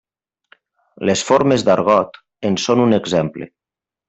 Les formes d'argot en són un exemple.